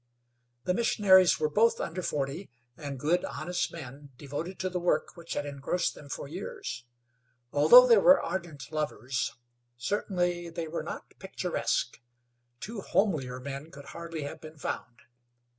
The missionaries were both under forty, and good, honest men, devoted to the work which had engrossed them for years. Although they were ardent lovers, certainly they were not picturesque. Two homelier men could hardly have been found.